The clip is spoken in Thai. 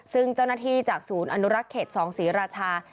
ซึ่งเจ้าหน้าที่จากศูนย์อนุรักษ์เขต๒ศรีราชา